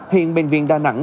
hiện bệnh viện đà nẵng